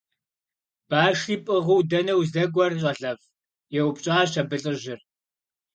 – Башри пӀыгъыу дэнэ уздэкӀуэр, щӀалэфӀ? – еупщӀащ абы лӀыжьыр.